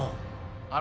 あれ？